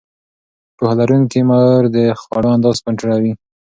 پوهه لرونکې مور د خوړو اندازه کنټرولوي.